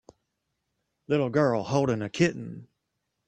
Little girl holding a kitten.